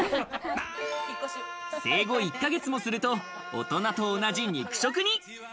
生後１ヶ月もすると、大人と同じ肉食に。